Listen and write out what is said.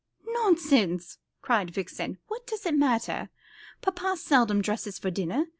"Nonsense," cried Vixen, "what does it matter? Papa seldom dresses for dinner.